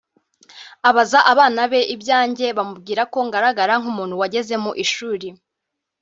abaza abana be ibyanjye bamubwira ko ngaragara nk’umuntu wageze mu ishuli